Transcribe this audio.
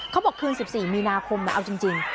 เขาบอกคืน๑๔มีนาคมเอาจริง